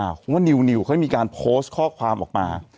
เพราะว่านิวเขามีการโพสต์ข้อความออกมา